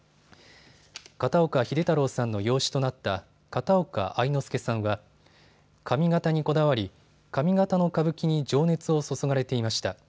片岡秀太郎さんの養子となった片岡愛之助さんは、上方にこだわり上方の歌舞伎に情熱を注がれていました。